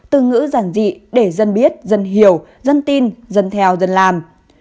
từ ngữ giản dị để dân biết dân hiểu dân tin dân theo dân làm